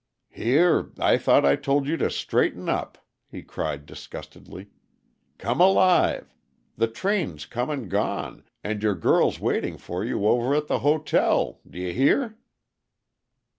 "Here! I thought I told you to straighten up," he cried disgustedly. "Come alive! The train's come and gone, and your girl's waiting for you over to the hotel. D' you hear?"